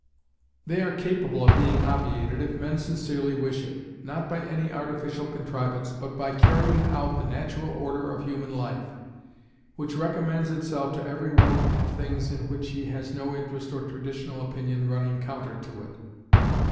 They are capable of being obviated if men sincerely wish it; not by any artificial contrivance, but by carrying out the natural order of human life, which recommends itself to every one in things in which he has no interest or traditional opinion running counter to it.